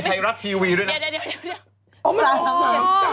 ใช่จะเขี่ยนเลขเขา